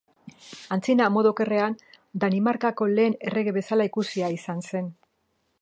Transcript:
Antzina, modu okerrean, Danimarkako lehen errege bezala ikusia izan zen.